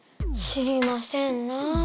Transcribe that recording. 知りませんなあ。